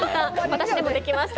私でもできました。